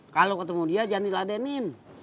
kalau ketemu dia jangan diladenin